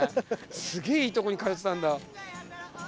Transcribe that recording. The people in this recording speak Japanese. すげえいいところに通ってたんだ。